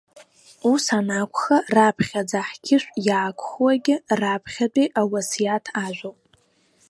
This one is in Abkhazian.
Ус анакәха, раԥхьаӡа ҳқьышә иаақәххуагьы раԥхьатәи ауасиаҭ ажәоуп.